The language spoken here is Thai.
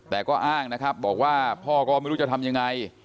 แต่ก็อ้างนะครับบอกว่าพ่อก็ไม่รู้จะทำยังไง